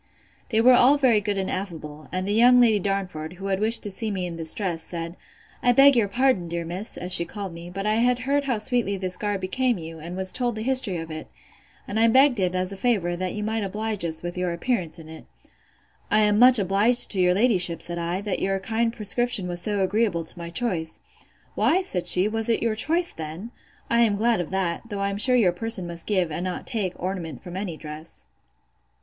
They all were very good and affable; and the young Lady Darnford, who had wished to see me in this dress, said, I beg your pardon, dear miss, as she called me; but I had heard how sweetly this garb became you, and was told the history of it; and I begged it, as a favour, that you might oblige us with your appearance in it. I am much obliged to your ladyship, said I, that your kind prescription was so agreeable to my choice. Why, said she, was it your choice then?—I am glad of that: though I am sure your person must give, and not take, ornament from any dress.